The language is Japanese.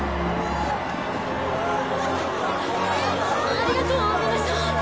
ありがとう皆さん。